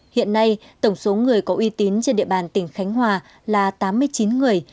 hiện nay tổng số người có uy tín trên địa bàn tỉnh khánh hòa là tám mươi chín người